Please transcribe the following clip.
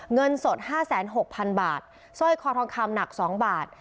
เงินสดห้าแสนหกพันบาทซ่อยคอทองคำหนักสองบาท